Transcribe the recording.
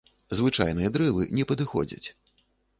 Звычайныя дрэвы не падыходзяць.